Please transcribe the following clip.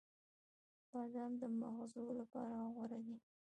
• بادام د مغزو لپاره غوره دی.